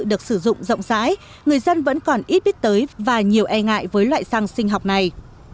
được sử dụng rộng rãi người dân vẫn còn ít biết tới và nhiều e ngại với loại sang sinh học này